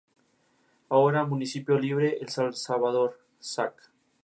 A esta etapa se le conoce como "el experimento liberal en el gobierno egipcio.